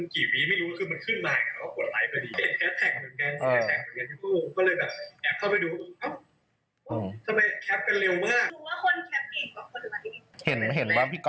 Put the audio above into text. คือเราเล่นไทยจีก